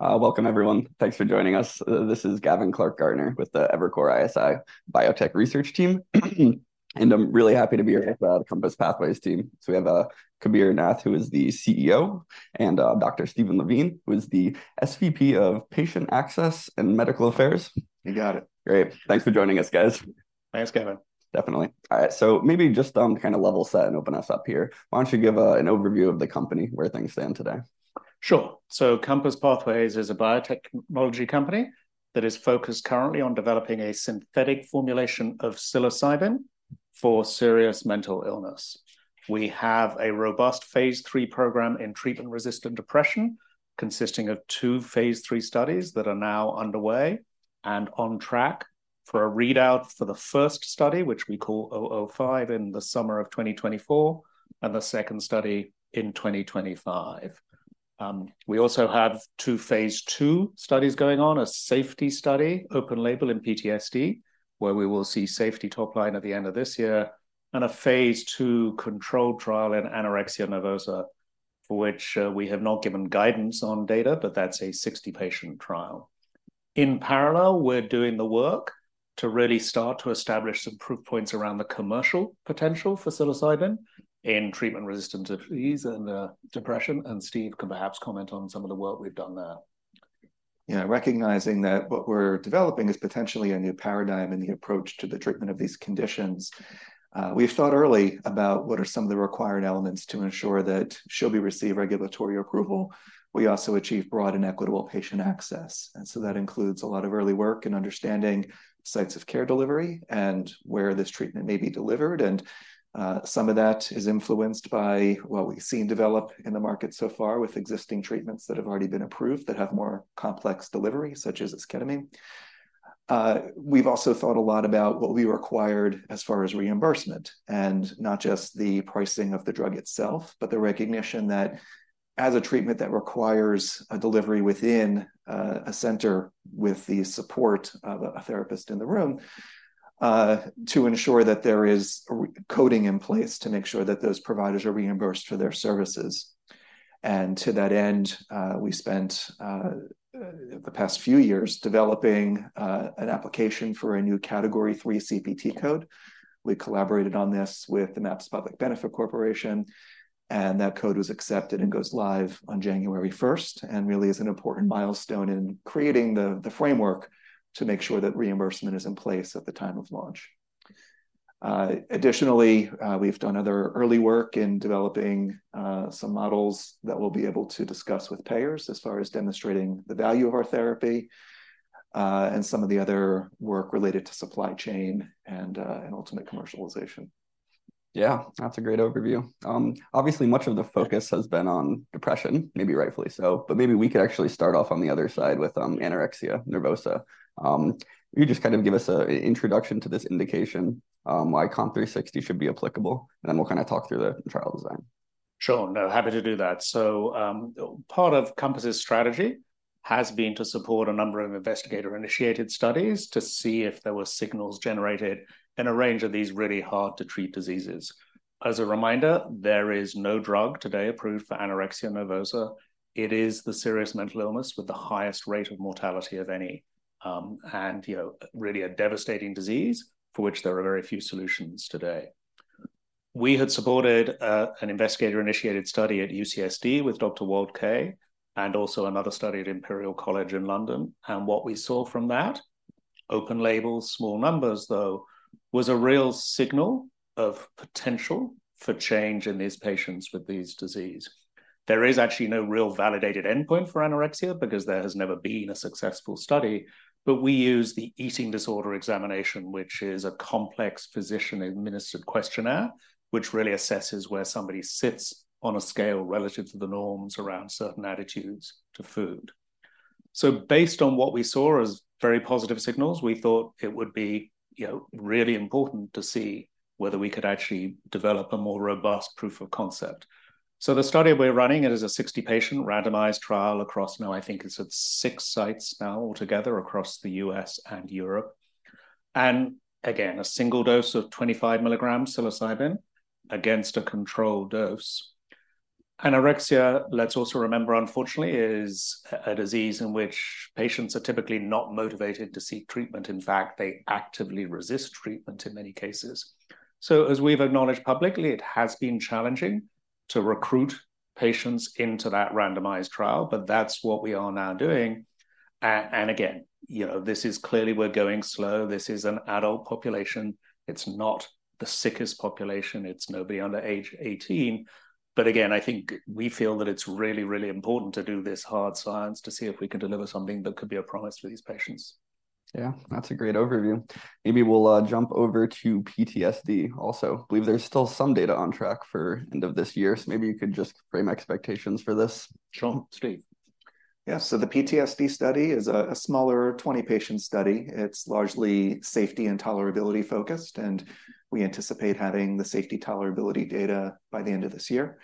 Welcome, everyone. Thanks for joining us. This is Gavin Clark-Gartner with the Evercore ISI Biotech Research Team. I'm really happy to be here with the Compass Pathways team. So we have Kabir Nath, who is the CEO, and Dr. Steve Levine, who is the SVP of Patient Access and Medical Affairs. You got it. Great. Thanks for joining us, guys. Thanks, Gavin. Definitely. All right, so maybe just kind of level set and open us up here. Why don't you give an overview of the company, where things stand today? Sure. So compass Pathways is a biotechnology company that is focused currently on developing a synthetic formulation of psilocybin for serious mental illness. We have a robust Phase III program in treatment-resistant depression, consisting of two Phase III studies that are now underway, and on track for a readout for the first study, which we call 005, in the summer of 2024, and the second study in 2025. We also have two Phase II studies going on, a safety study, open label in PTSD, where we will see safety top line at the end of this year, and a Phase II controlled trial in anorexia nervosa, for which, we have not given guidance on data, but that's a 60-patient trial. In parallel, we're doing the work to really start to establish some proof points around the commercial potential for psilocybin in treatment-resistant disease and depression, and Steve can perhaps comment on some of the work we've done there. You know, recognizing that what we're developing is potentially a new paradigm in the approach to the treatment of these conditions, we've thought early about what are some of the required elements to ensure that should we receive regulatory approval, we also achieve broad and equitable patient access. So that includes a lot of early work in understanding sites of care delivery and where this treatment may be delivered. Some of that is influenced by what we've seen develop in the market so far with existing treatments that have already been approved that have more complex delivery, such as esketamine. We've also thought a lot about what we required as far as reimbursement, and not just the pricing of the drug itself, but the recognition that as a treatment that requires a delivery within a center with the support of a therapist in the room to ensure that there is coding in place to make sure that those providers are reimbursed for their services. And to that end, we spent the past few years developing an application for a new Category III CPT code. We collaborated on this with the MAPS Public Benefit Corporation, and that code was accepted and goes live on January 1st, and really is an important milestone in creating the framework to make sure that reimbursement is in place at the time of launch. Additionally, we've done other early work in developing some models that we'll be able to discuss with payers as far as demonstrating the value of our therapy, and some of the other work related to supply chain and ultimate commercialization. Yeah, that's a great overview. Obviously, much of the focus has been on depression, maybe rightfully so, but maybe we could actually start off on the other side with anorexia nervosa. Can you just kind of give us a introduction to this indication, why COMP360 should be applicable, and then we'll kind of talk through the trial design. Sure. No, happy to do that. So, part of Compass's strategy has been to support a number of investigator-initiated studies to see if there were signals generated in a range of these really hard-to-treat diseases. As a reminder, there is no drug today approved for anorexia nervosa. It is the serious mental illness with the highest rate of mortality of any, and, you know, really a devastating disease for which there are very few solutions today. We had supported an investigator-initiated study at UCSD with Dr. Walter Kaye, and also another study at Imperial College London, and what we saw from that, open label, small numbers, though, was a real signal of potential for change in these patients with this disease. There is actually no real validated endpoint for anorexia because there has never been a successful study, but we use the Eating Disorder Examination, which is a complex physician-administered questionnaire, which really assesses where somebody sits on a scale relative to the norms around certain attitudes to food. So based on what we saw as very positive signals, we thought it would be, you know, really important to see whether we could actually develop a more robust proof of concept. So the study we're running, it is a 60-patient randomized trial across, now I think it's at six sites now altogether across the U.S. and Europe. And again, a single dose of 25 milligrams psilocybin against a control dose. Anorexia, let's also remember, unfortunately, is a disease in which patients are typically not motivated to seek treatment. In fact, they actively resist treatment in many cases. So as we've acknowledged publicly, it has been challenging to recruit patients into that randomized trial, but that's what we are now doing. And again, you know, this is clearly we're going slow. This is an adult population. It's not the sickest population. It's nobody under age eighteen. But again, I think we feel that it's really, really important to do this hard science to see if we can deliver something that could be a promise for these patients. Yeah, that's a great overview. Maybe we'll jump over to PTSD also. Believe there's still some data on track for end of this year, so maybe you could just frame expectations for this. Sure. Steve? Yeah, so the PTSD study is a smaller 20-patient study. It's largely safety and tolerability focused, and we anticipate having the safety tolerability data by the end of this year.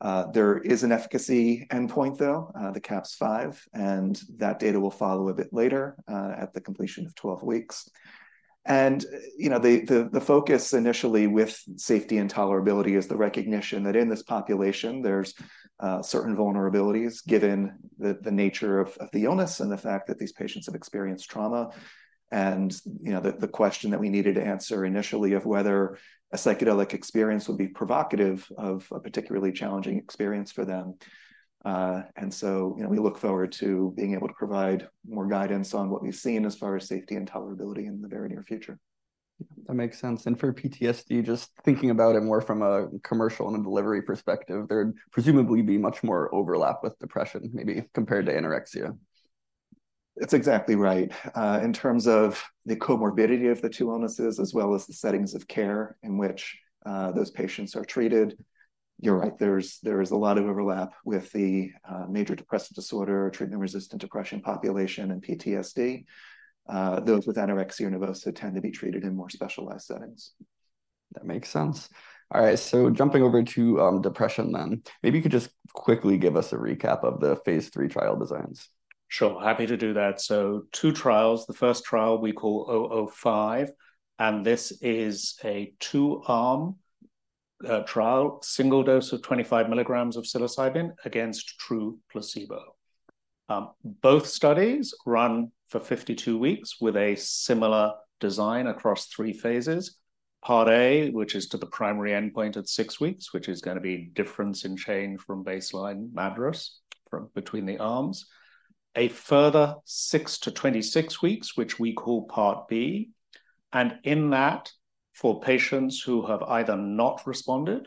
There is an efficacy endpoint, though, the CAPS-5, and that data will follow a bit later, at the completion of 12 weeks. And, you know, the focus initially with safety and tolerability is the recognition that in this population there's certain vulnerabilities, given the nature of the illness and the fact that these patients have experienced trauma. And, you know, the question that we needed to answer initially of whether a psychedelic experience would be provocative of a particularly challenging experience for them. And so, you know, we look forward to being able to provide more guidance on what we've seen as far as safety and tolerability in the very near future. That makes sense. For PTSD, just thinking about it more from a commercial and a delivery perspective, there'd presumably be much more overlap with depression, maybe compared to anorexia. That's exactly right. In terms of the comorbidity of the two illnesses, as well as the settings of care in which those patients are treated, you're right, there is a lot of overlap with the major depressive disorder, treatment-resistant depression population, and PTSD. Those with anorexia nervosa tend to be treated in more specialized settings. That makes sense. All right, so jumping over to, depression then, maybe you could just quickly give us a recap of the Phase III trial designs. Sure, happy to do that. So two trials, the first trial we call 005, and this is a two-arm trial, single dose of 25 milligrams of psilocybin against true placebo. Both studies run for 52 weeks with a similar design across three phases. Part A, which is to the primary endpoint at six weeks, which is going to be difference in change from baseline MADRS from between the arms. A further six to 26 weeks, which we call Part B, and in that, for patients who have either not responded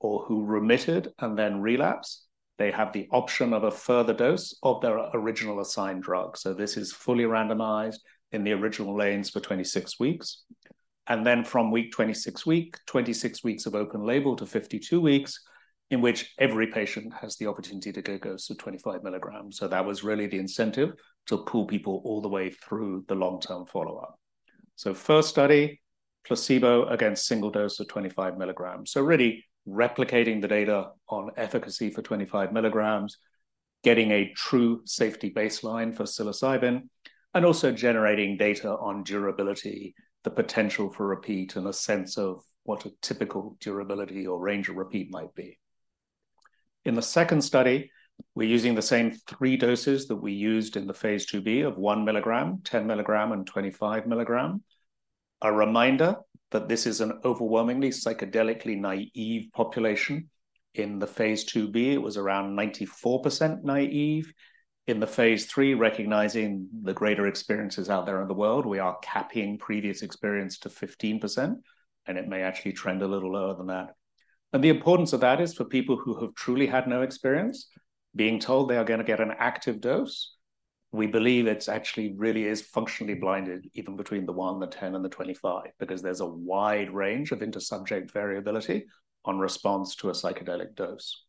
or who remitted and then relapsed, they have the option of a further dose of their original assigned drug. So this is fully randomized in the original lanes for 26 weeks. And then from week 26, 26 weeks of open label to 52 weeks, in which every patient has the opportunity to get a dose of 25 milligrams. So that was really the incentive to pull people all the way through the long-term follow-up. So first study, placebo against single dose of 25 milligrams. So really replicating the data on efficacy for 25 milligrams, getting a true safety baseline for psilocybin, and also generating data on durability, the potential for repeat, and a sense of what a typical durability or range of repeat might be. In the second study, we're using the same three doses that we used in the Phase IIb of 1 milligram, 10 milligram, and 25 milligram. A reminder that this is an overwhelmingly psychedelically naive population. In the Phase IIb, it was around 94% naive. In the Phase III, recognizing the greater experiences out there in the world, we are capping previous experience to 15%, and it may actually trend a little lower than that. The importance of that is for people who have truly had no experience, being told they are going to get an active dose, we believe it's actually really is functionally blinded, even between the one, the 10, and the 25, because there's a wide range of inter-subject variability on response to a psychedelic dose.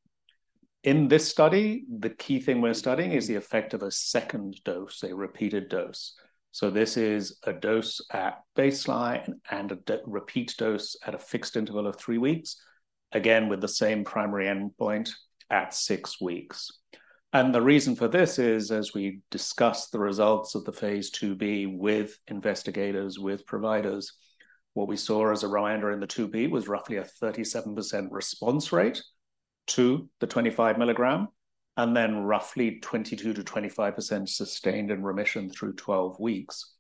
In this study, the key thing we're studying is the effect of a second dose, a repeated dose. This is a dose at baseline and a repeat dose at a fixed interval of three weeks, again, with the same primary endpoint at six weeks. The reason for this is, as we discuss the results of the Phase IIb with investigators, with providers, what we saw as a readout in the IIb was roughly a 37% response rate to the 25 milligram, and then roughly 22%-25% sustained in remission through 12 weeks.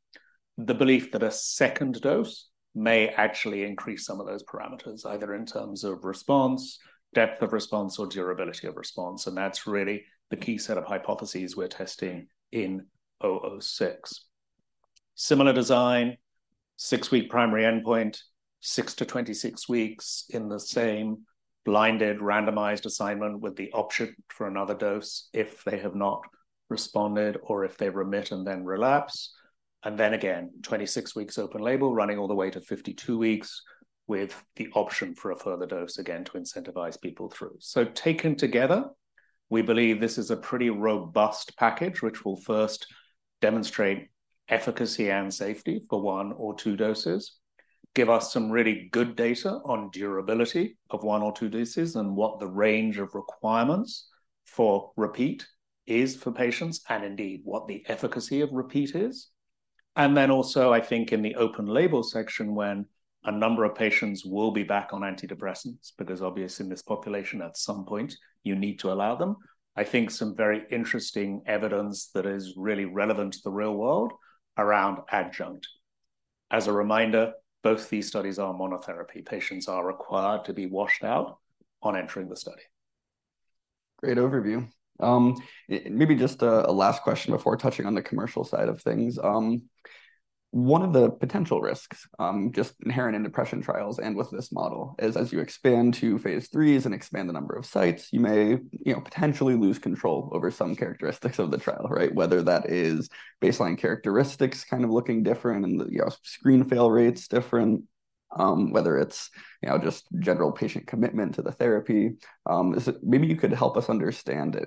The belief that a second dose may actually increase some of those parameters, either in terms of response, depth of response, or durability of response, and that's really the key set of hypotheses we're testing in 006. Similar design, six-week primary endpoint, six-26 weeks in the same blinded, randomized assignment with the option for another dose if they have not responded or if they remit and then relapse. Then again, 26 weeks open label, running all the way to 52 weeks, with the option for a further dose, again, to incentivize people through. So taken together, we believe this is a pretty robust package, which will first demonstrate efficacy and safety for one or two doses, give us some really good data on durability of one or two doses, and what the range of requirements for repeat is for patients, and indeed, what the efficacy of repeat is. And then also, I think in the open label section, when a number of patients will be back on antidepressants, because obviously, in this population at some point, you need to allow them. I think some very interesting evidence that is really relevant to the real world around adjunct. As a reminder, both these studies are monotherapy. Patients are required to be washed out on entering the study. Great overview. Maybe just a last question before touching on the commercial side of things. One of the potential risks, just inherent in depression trials and with this model is as you expand to Phase IIIs and expand the number of sites, you may, you know, potentially lose control over some characteristics of the trial, right? Whether that is baseline characteristics kind of looking different and the, you know, screen fail rates different, whether it's, you know, just general patient commitment to the therapy. Is it, maybe you could help us understand...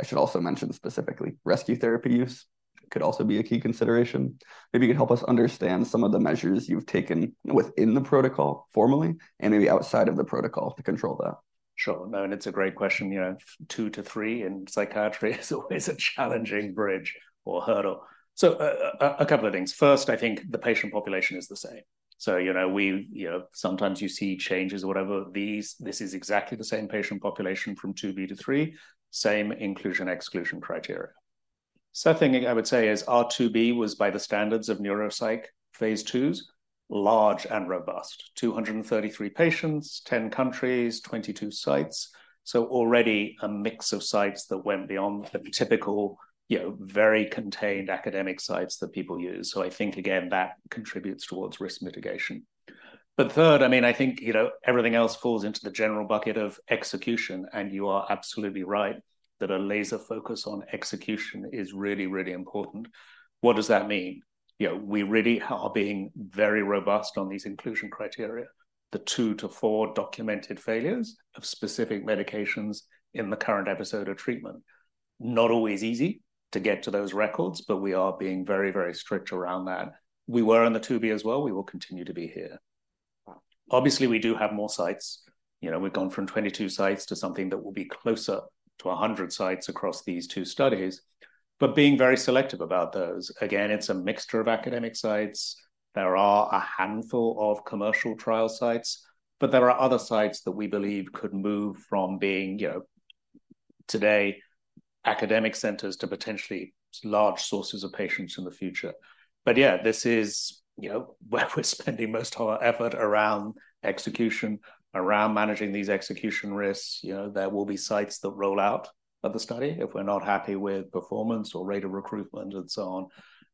I should also mention specifically, rescue therapy use could also be a key consideration. Maybe you could help us understand some of the measures you've taken within the protocol formally and maybe outside of the protocol to control that?... Sure. No, and it's a great question. You know, Phase 2-3 in psychiatry is always a challenging bridge or hurdle. So, a couple of things. First, I think the patient population is the same. So, you know, we, you know, sometimes you see changes or whatever, this is exactly the same patient population from IIb to three, same inclusion, exclusion criteria. Second thing I would say is our IIb was by the standards of neuropsych, Phase IIs, large and robust. 233 patients, 10 countries, 22 sites. So already a mix of sites that went beyond the typical, you know, very contained academic sites that people use. So I think, again, that contributes towards risk mitigation. But third, I mean, I think, you know, everything else falls into the general bucket of execution, and you are absolutely right that a laser focus on execution is really, really important. What does that mean? You know, we really are being very robust on these inclusion criteria. The two to four documented failures of specific medications in the current episode of treatment. Not always easy to get to those records, but we are being very, very strict around that. We were on the IIb as well; we will continue to be here. Obviously, we do have more sites. You know, we've gone from 22 sites to something that will be closer to 100 sites across these two studies, but being very selective about those. Again, it's a mixture of academic sites. There are a handful of commercial trial sites, but there are other sites that we believe could move from being, you know, today, academic centers to potentially large sources of patients in the future. But yeah, this is, you know, where we're spending most of our effort around execution, around managing these execution risks. You know, there will be sites that roll out of the study if we're not happy with performance or rate of recruitment and so on.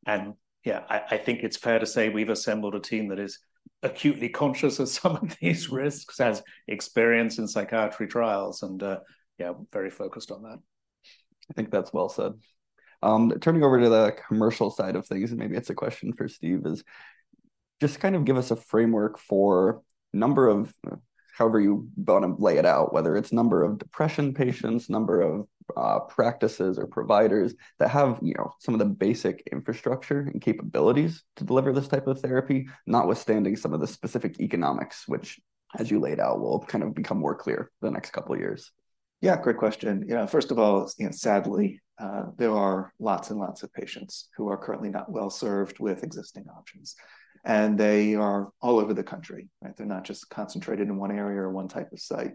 And yeah, I think it's fair to say we've assembled a team that is acutely conscious of some of these risks, has experience in psychiatry trials and, yeah, very focused on that. I think that's well said. Turning over to the commercial side of things, and maybe it's a question for Steve, is just kind of give us a framework for number of... however you want to lay it out, whether it's number of depression patients, number of, practices or providers that have, you know, some of the basic infrastructure and capabilities to deliver this type of therapy, notwithstanding some of the specific economics, which, as you laid out, will kind of become more clear the next couple of years. Yeah, great question. You know, first of all, you know, sadly, there are lots and lots of patients who are currently not well-served with existing options, and they are all over the country, right? They're not just concentrated in one area or one type of site.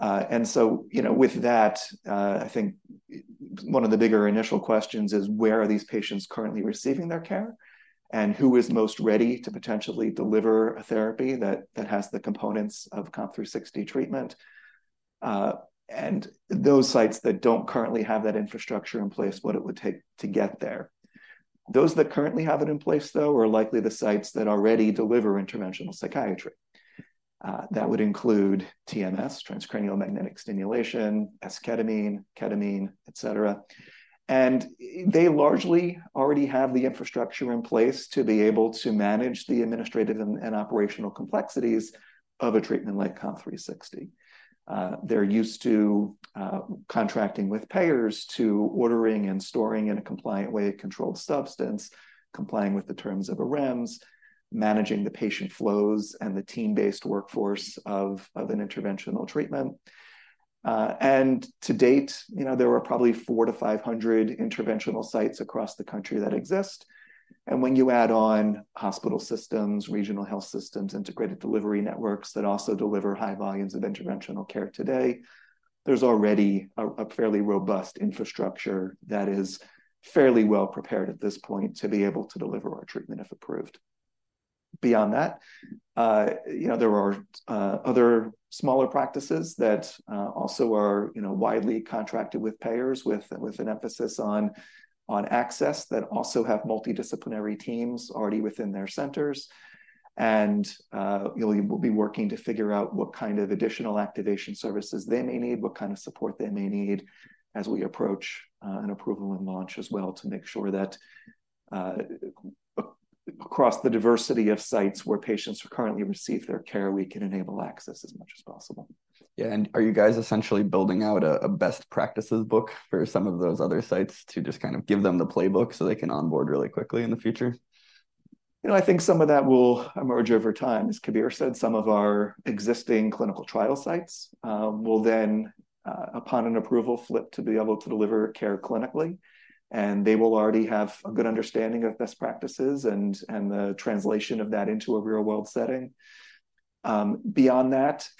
And so, you know, with that, I think one of the bigger initial questions is, where are these patients currently receiving their care? And who is most ready to potentially deliver a therapy that has the components of COMP360 treatment? And those sites that don't currently have that infrastructure in place, what it would take to get there. Those that currently have it in place, though, are likely the sites that already deliver interventional psychiatry. That would include TMS, transcranial magnetic stimulation, esketamine, ketamine, et cetera. They largely already have the infrastructure in place to be able to manage the administrative and operational complexities of a treatment like COMP360. They're used to contracting with payers, to ordering and storing in a compliant way, a controlled substance, complying with the terms of a REMS, managing the patient flows, and the team-based workforce of an interventional treatment. And to date, you know, there were probably 400-500 interventional sites across the country that exist. When you add on hospital systems, regional health systems, integrated delivery networks that also deliver high volumes of interventional care today, there's already a fairly robust infrastructure that is fairly well prepared at this point to be able to deliver our treatment, if approved. Beyond that, you know, there are other smaller practices that also are, you know, widely contracted with payers, with an emphasis on access, that also have multidisciplinary teams already within their centers. And we'll be working to figure out what kind of additional activation services they may need, what kind of support they may need as we approach an approval and launch as well, to make sure that across the diversity of sites where patients currently receive their care, we can enable access as much as possible. Yeah. And are you guys essentially building out a best practices book for some of those other sites to just kind of give them the playbook so they can onboard really quickly in the future? You know, I think some of that will emerge over time. As Kabir said, some of our existing clinical trial sites will then, upon an approval, flip to be able to deliver care clinically, and they will already have a good understanding of best practices and the translation of that into a real-world setting. Beyond that, you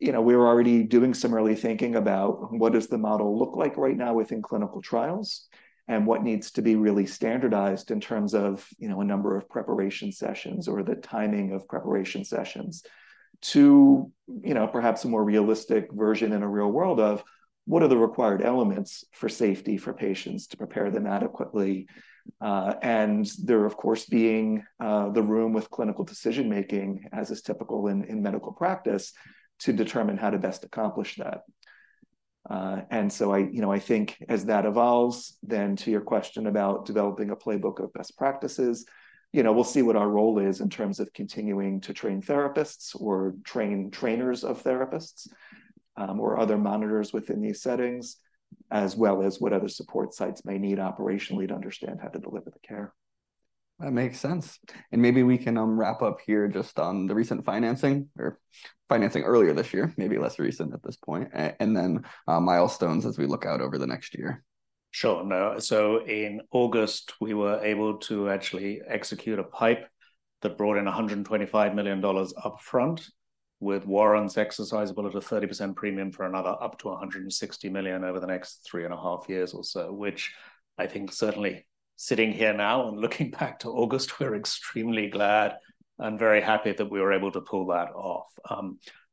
know, we're already doing some early thinking about what does the model look like right now within clinical trials, and what needs to be really standardized in terms of, you know, a number of preparation sessions or the timing of preparation sessions, to, you know, perhaps a more realistic version in a real world of, what are the required elements for safety for patients to prepare them adequately? And there, of course, being the room with clinical decision-making, as is typical in medical practice, to determine how to best accomplish that. And so I... You know, I think as that evolves, then to your question about developing a playbook of best practices, you know, we'll see what our role is in terms of continuing to train therapists or train trainers of therapists, or other monitors within these settings, as well as what other support sites may need operationally to understand how to deliver the care. That makes sense. And maybe we can wrap up here just on the recent financing or financing earlier this year, maybe less recent at this point, and then milestones as we look out over the next year. Sure. Now, so in August, we were able to actually execute a PIPE that brought in $125 million upfront, with warrants exercisable at a 30% premium for another up to $160 million over the next three and a half years or so, which I think certainly sitting here now and looking back to August, we're extremely glad and very happy that we were able to pull that off.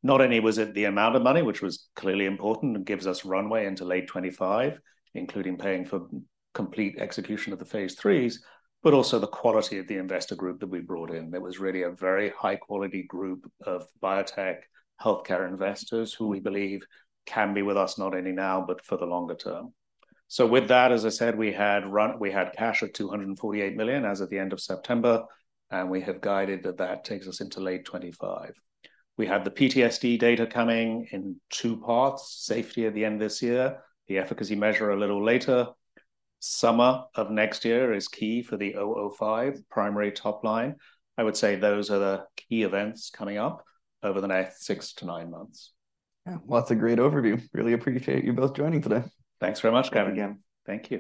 Not only was it the amount of money, which was clearly important and gives us runway into late 2025, including paying for complete execution of the Phase IIIs, but also the quality of the investor group that we brought in. It was really a very high-quality group of biotech healthcare investors, who we believe can be with us not only now, but for the longer term. With that, as I said, we had cash of $248 million as of the end of September, and we have guided that that takes us into late 2025. We have the PTSD data coming in two parts: safety at the end of this year, the efficacy measure a little later. Summer of next year is key for the 005 primary top line. I would say those are the key events coming up over the next six-nine months. Yeah. Well, that's a great overview. Really appreciate you both joining today. Thanks very much, Gavin. Thank you.